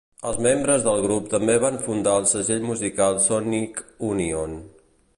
Els membres del grup també van fundar el segell musical Sonic Unyon.